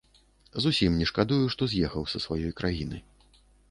Зусім не шкадую, што з'ехаў са сваёй краіны.